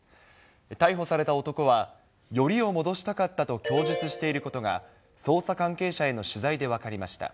逮捕された男は、よりを戻したかったと供述していることが、捜査関係者への取材で分かりました。